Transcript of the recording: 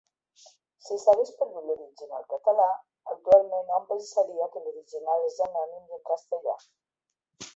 Si s'hagués perdut l'original català, actualment hom pensaria que l'original és anònim i en castellà.